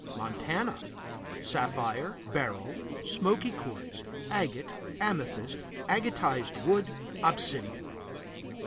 Montana Sapphire, beryl, smoky quartz, agate, amethyst, agatized wood, obsidian.